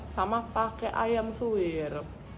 sama pakai ayam suwir